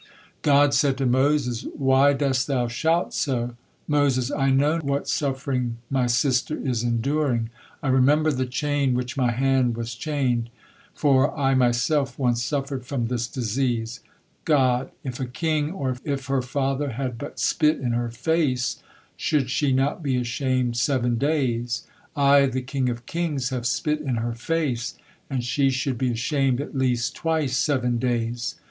God said to Moses: "Why dost thou shout so?" Moses: "I know what suffering my sister is enduring. I remember the chain which my hand was chained, for I myself once suffered from this disease." God: "If a king, or if her father had but spit in her face, should she not be ashamed seven days? I, the King of kings, have spit in her face, and she should be ashamed at least twice seven days.